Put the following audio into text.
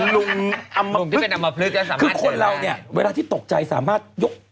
ลุงที่เป็นอำมพลึกคือคนเราเนี่ยเวลาที่ตกใจสามารถยก